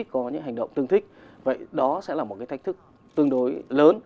có những hành động tương thích vậy đó sẽ là một cái thách thức tương đối lớn